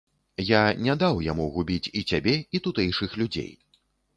Я не даў яму губіць і цябе, і тутэйшых людзей.